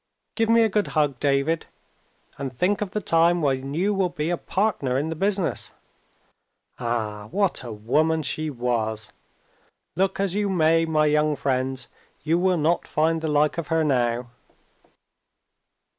Give me a good hug, David and think of the time when you will be a partner in the business." Ah! what a woman she was! Look as you may, my young friends, you will not find the like of her now.